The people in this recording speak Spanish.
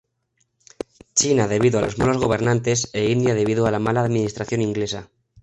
China debido a los malos gobernantes e India debido a la mala administración inglesa.